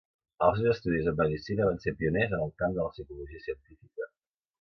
Els seus estudis en medicina van ser pioners en el camp de la psicologia científica.